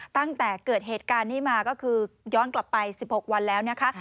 ตั้งแต่เกิดเหตุการณ์นี้มาก็คือย้อนกลับไป๑๖วันแล้วนะคะ